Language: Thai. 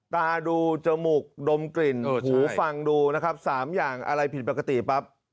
ตาดูจมูกดมกลิ่นหูฟังดูนะครับ๓อย่างอะไรผิดปกติปั๊บ